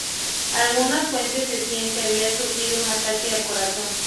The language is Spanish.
Algunas fuentes decían que había sufrido un ataque al corazón.